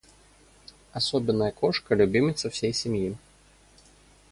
Особенная кошка - любимица всей семьи